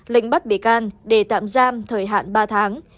lệnh bắt bị can để tạm giam thời hạn ba tháng